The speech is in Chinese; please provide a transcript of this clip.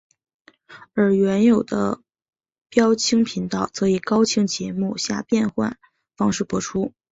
而原有的标清频道则以高清节目下变换方式播出。